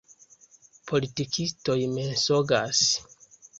Politikistoj mensogas.